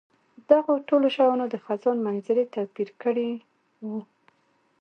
دغو ټولو شیانو د خزان منظرې توپیر کړی وو.